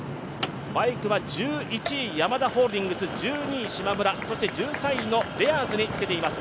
バイクは１１位、ヤマダホールディングス、１２位、しまむら、１３位のベアーズにつけています。